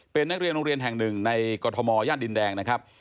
เป็นนักเรียนโรงเรียนแห่งหนึ่งในกรทมย่านดินแดงนะครับ